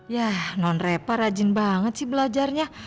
yah non repa rajin banget sih belajarnya